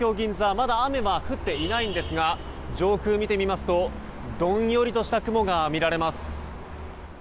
まだ雨は降っていませんが上空、見てみますとどんよりとした雲が見られます。